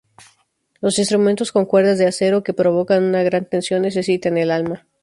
Los instrumentos con cuerdas de acero, que provocan una gran tensión, necesitan el alma.